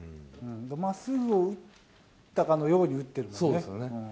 まっすぐを打ったかのようにそうですよね。